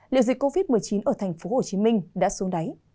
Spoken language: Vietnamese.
liệu dịch covid một mươi chín ở tp hcm đã xuống đáy